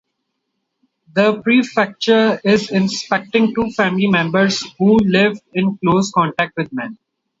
The prefecture is inspecting two family members who live in close contact with men.